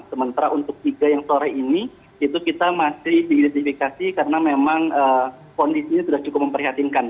sementara untuk tiga yang sore ini itu kita masih diidentifikasi karena memang kondisinya sudah cukup memprihatinkan